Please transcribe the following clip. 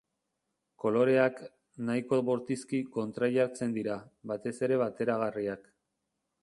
Koloreak, nahiko bortizki kontrajartzen dira, batez ere bateragarriak.